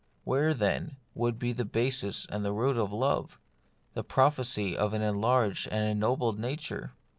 Where, then, would be the basis and the root of love, the prophecy of an enlarged and an ennobled nature